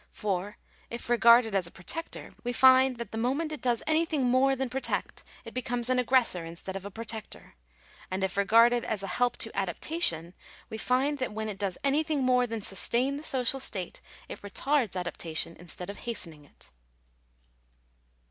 For, if regarded as a{ protector, we find that the moment it does anything more than protect, it becomes an aggressor instead of a protector ; and, if regarded as a help to adaptation, we find that when it does anything more than sustain the social state, it retards adaptation instead of hastening it.